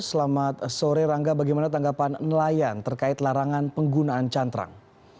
selamat sore rangga bagaimana tanggapan nelayan terkait larangan penggunaan cantrang